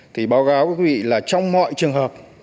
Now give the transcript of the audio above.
thì báo cáo với vị là trong mọi trường hợp